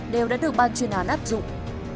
đều đã được ban chuyên án áp dụng